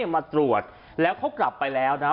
มาตรวจแล้วเขากลับไปแล้วนะ